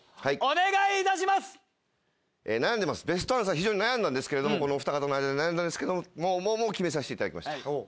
非常に悩んだんですけれどもこのおふた方の間で悩んだんですけれどももう決めさせていただきました。